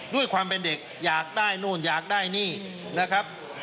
ด้วยความเป็นเด็กอยากได้นู่นอยากได้นี่นะครับ